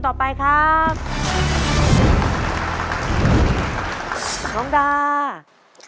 ตัวเลือกที่สอง๘คน